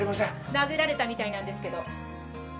殴られたみたいなんですけど